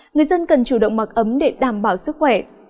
người dân cần chủ động mặc ấm để đảm bảo sức khỏe